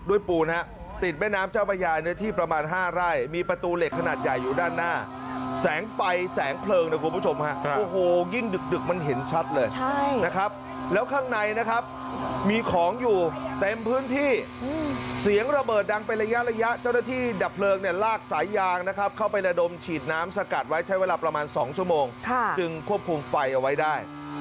โอ้โหยิ่งดึกมันเห็นชัดเลยแล้วข้างในนะครับมีของอยู่เต็มพื้นที่เสียงระเบิดดังไประยะเจ้าหน้าที่ดับเลิกเนี่ยลากสายยางนะครับเข้าไประดมฉีดน้ำสกัดไว้ใช้เวลาประมาณสองชั่วโมงจึงควบคุมไฟเอาไว้ได้